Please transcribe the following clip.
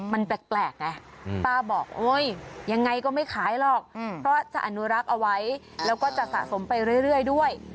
มันแปลกไงป้าบอกโอ๊ยยังไงก็ไม่ขายหรอกเพราะจะอนุรักษ์เอาไว้แล้วก็จะสะสมไปเรื่อยด้วย